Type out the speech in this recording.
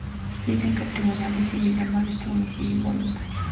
Dice que el tribunal decidió llamar a este homicidio involuntario.